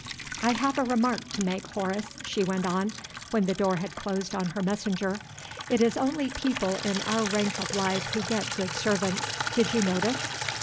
"I have a remark to make, Horace," she went on, when the door had closed on her messenger. "It is only people in our rank of life who get good servants. Did you notice?